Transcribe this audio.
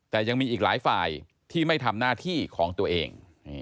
แต่ยังมีอีกหลายฝ่ายที่ไม่ทำหน้าที่ของตัวเอง